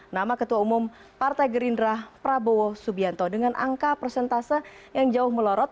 nama ketua umum partai gerindra prabowo subianto dengan angka persentase yang jauh melorot